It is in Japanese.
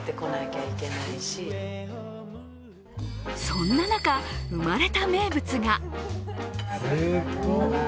そんな中、生まれた名物が。